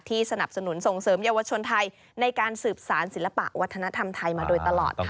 สนับสนุนส่งเสริมเยาวชนไทยในการสืบสารศิลปะวัฒนธรรมไทยมาโดยตลอดค่ะ